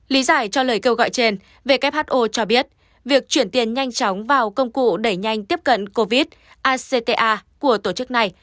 lý giải cho lời kêu gọi trên who cho biết việc chuyển tiền nhanh chóng vào công cụ đẩy nhanh tiếp cận covid acta của tổ chức này